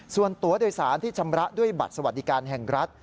ส่วนตัวโดยสารที่ชำระด้วยบัตรสวัสดิการแห่งรัฐ